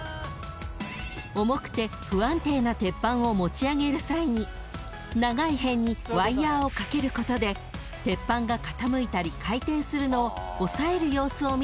［重くて不安定な鉄板を持ち上げる際に長い辺にワイヤーをかけることで鉄板が傾いたり回転するのを抑える様子を見た長内さん］